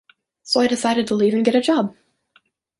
So I decided to leave and get a job!